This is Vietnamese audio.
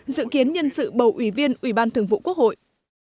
dự kiến nhân sự bầu ủy viên ủy ban thường vụ quốc hội